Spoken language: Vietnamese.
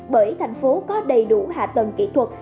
bởi thành phố có đầy đủ hạ tầng kỹ thuật